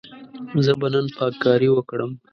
زه به نن پاککاري وکړم.